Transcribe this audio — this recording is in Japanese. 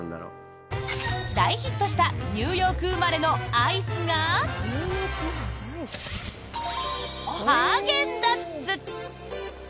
大ヒットしたニューヨーク生まれのアイスがハーゲンダッツ。